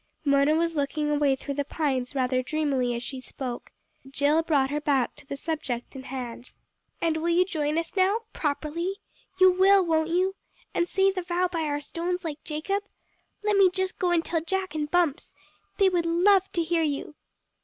Mona was looking away through the pines rather dreamily as she spoke. Jill brought her back to the subject in hand. "And will you join us now? Properly? You will, won't you? And say the vow by our stones like Jacob? Let me just go and tell Jack and Bumps. They would love to hear you."